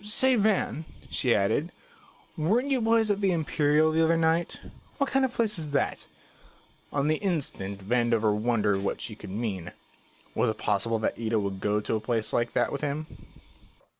Say, Van," she added, "weren't you boys at the Imperial the other night? What kind of a place is that?" On the instant Vandover wondered what she could mean. Was it possible that Ida would go to a place like that with him?